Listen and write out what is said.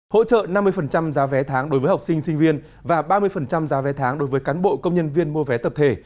hỗ trợ năm mươi giá vé tháng đối với học sinh sinh viên và ba mươi giá vé tháng đối với cán bộ công nhân viên mua vé tập thể